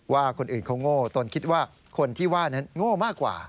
ว่าคนอื่นเขาโง่ตนคิดว่าคนที่ว่านั้นโง่มากกว่า